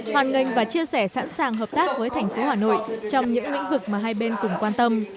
hoàn ngành và chia sẻ sẵn sàng hợp tác với thành phố hà nội trong những lĩnh vực mà hai bên cùng quan tâm